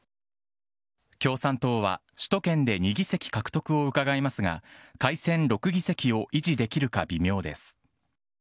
共産党は首都圏で２議席獲得をうかがいますが、改選６議席を維持できるか微妙です。